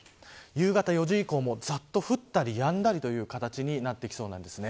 夕方４時以降もざっと降ったりやんだりになってきそうです。